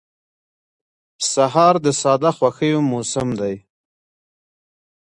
سهار د ساده خوښیو موسم دی.